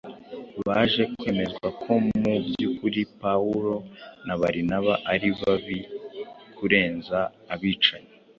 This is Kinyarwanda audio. baje kwemezwa ko mu by’ukuri Pawulo na Barinaba ari babi kurenza abicanyi